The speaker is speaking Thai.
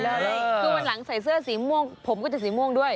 คือวันหลังใส่เสื้อสีม่วงผมก็จะสีม่วงด้วย